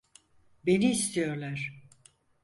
Beni istiyorlar.